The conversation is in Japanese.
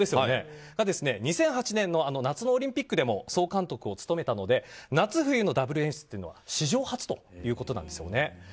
２００８年の夏のオリンピックでも総監督を務めたので夏冬のダブル演出というのは史上初ということなんです。